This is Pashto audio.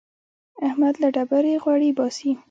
احمد له ډبرې غوړي باسي.